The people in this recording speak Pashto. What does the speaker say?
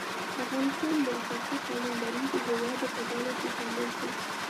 افغانستان د اساسي قانون لرونکو هیوادو په ډله کې شامل شو.